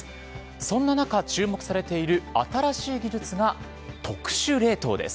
そんな中、注目されている新しい技術が特殊冷凍です。